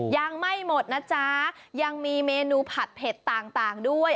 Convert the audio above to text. ยังไม่หมดนะจ๊ะยังมีเมนูผัดเผ็ดต่างด้วย